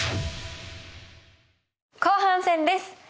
後半戦です。